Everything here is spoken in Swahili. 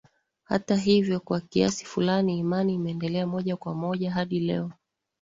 Hata hivyo kwa kiasi fulani imani imeendelea moja kwa moja hadi leo